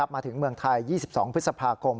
มาถึงเมืองไทย๒๒พฤษภาคม